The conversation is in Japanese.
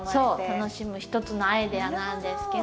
楽しむ一つのアイデアなんですけど。